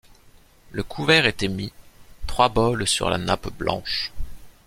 Le couvert était mis, trois bols sur la nappe blanche.